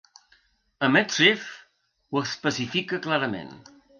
A «MedRxiv» ho especifica clarament.